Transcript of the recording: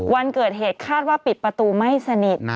วันเกิดเหตุคาดว่าปิดประตูไม่สนิท